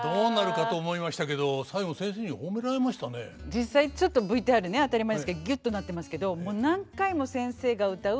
実際ちょっとＶＴＲね当たり前ですけどギュッとなってますけどもう何回も先生が謡う。